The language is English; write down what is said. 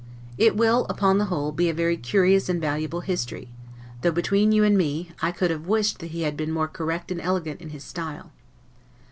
It will, upon the whole, be a very curious and valuable history; though, between you and me, I could have wished that he had been more correct and elegant in his style.